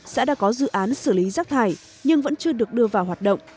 xã đã có dự án xử lý rác thải nhưng vẫn chưa được đưa vào hoạt động